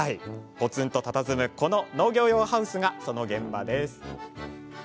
ぽつんとたたずむこの農業用ハウスがその現場です。